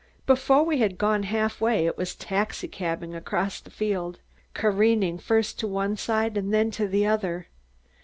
Before we had gone half way, it was taxi cabbing across the field, careening first to one side and then to the other.